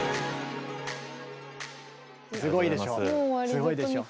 すごいでしょ。